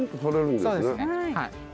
そうですねはい。